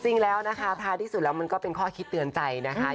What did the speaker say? จริงแล้วนะคะท้ายที่สุดแล้วมันก็เป็นข้อคิดเตือนใจนะคะ